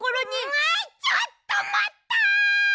あちょっとまった！